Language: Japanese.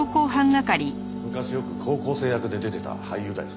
昔よく高校生役で出てた俳優だよ。